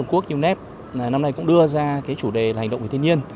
tổ chức môi trường liên hợp quốc unep năm nay cũng đưa ra chủ đề hành động vì thiên nhiên